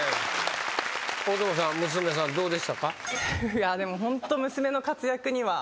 大友さん娘さんどうでしたか？